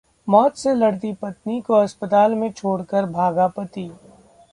मौत से लड़ती पत्नी को अस्पताल में छोडकर भागा पति